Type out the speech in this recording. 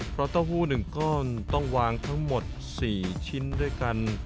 เพราะเต้าหู้๑ก้อนต้องวางทั้งหมด๔ชิ้นด้วยกัน